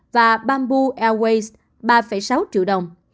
và bamboo airways ba sáu triệu đồng